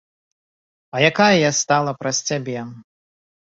А якая я стала праз цябе.